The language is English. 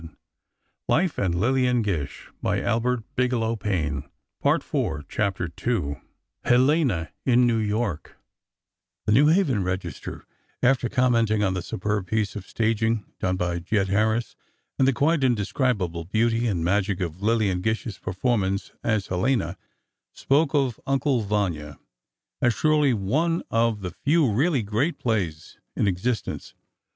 A maid appeared at the door. "Will you speak to Miss Gordon?" she said. II HELENA IN NEW YORK The New Haven Register, after commenting on the "superb piece of staging done by Jed Harris, and the quite indescribable beauty and magic of Lillian Gish's performance as Helena," spoke of "Uncle Vanya" as "surely one of the few really great plays in existence